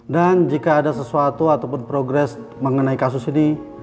dan jika ada sesuatu ataupun progres mengenai kasus ini